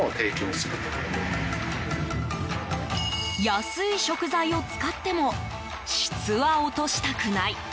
安い食材を使っても質は落としたくない。